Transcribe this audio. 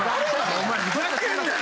・お前ふざけんなよ！